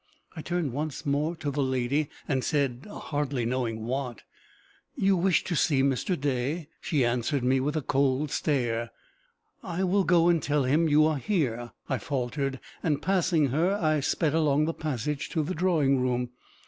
I turned once more to the lady, and said, hardly knowing what, "You wish to see Mr. Day?" She answered me with a cold stare. "I will go and tell him you are here," I faltered; and passing her, I sped along the passage to the drawing room.